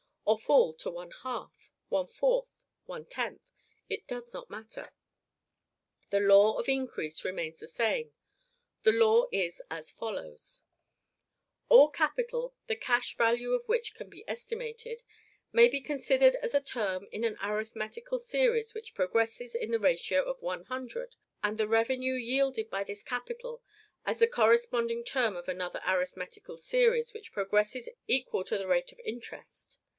or fall to one half, one fourth, one tenth, it does not matter; the law of increase remains the same. The law is as follows: All capital the cash value of which can be estimated may be considered as a term in an arithmetical series which progresses in the ratio of one hundred, and the revenue yielded by this capital as the corresponding term of another arithmetical series which progresses in a ratio equal to the rate of interest.